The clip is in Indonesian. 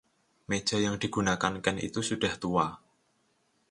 Meja yang digunakan Ken itu sudah tua.